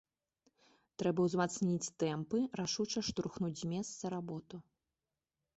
Трэба ўзмацніць тэмпы, рашуча штурхнуць з месца работу.